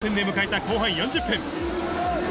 同点で迎えた後半４０分。